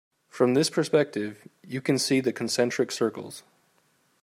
From this perspective you can see the concentric circles.